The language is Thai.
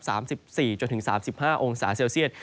๓๔ตัวถึง๓๕อเซลเซียน